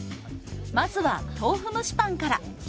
まずは豆腐蒸しパンから。